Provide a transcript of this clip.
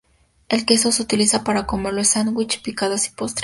El queso se utiliza para comerlo en sándwiches, picadas y postres.